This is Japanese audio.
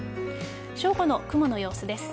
正午の雲の様子です。